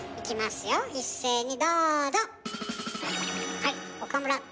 はい岡村！